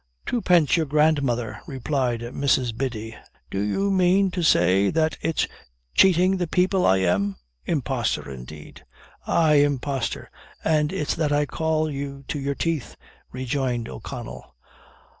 "Twopence, your grandmother!" replied Mrs. Biddy: "do you mane to say that it's chating the people I am? impostor, indeed!" "Aye, impostor; and it's that I call you to your teeth," rejoined O'Connell.